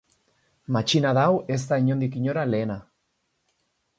Matxinada hau ez da inondik inora lehena.